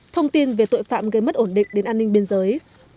thông tin về tội phạm gây mất ổn định đến an ninh biên giới